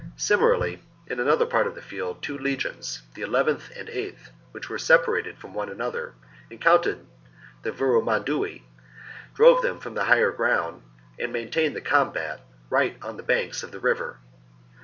Similarly in another part of the field two legions, the iith and 8th, which were separated from one another,^ encountered the Viromandui, drove them from the higher ground, and maintained the combat right on the banks of the river.